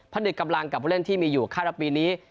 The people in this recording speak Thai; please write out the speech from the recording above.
นึกกำลังกับผู้เล่นที่มีอยู่ค่ารับปีนี้